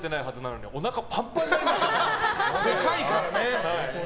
でかいからね。